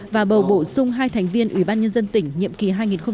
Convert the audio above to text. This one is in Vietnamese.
và bầu bổ sung hai thành viên ubnd tỉnh nhiệm kỳ hai nghìn một mươi sáu hai nghìn hai mươi một